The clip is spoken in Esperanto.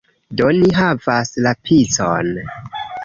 Do, ni havas la picon!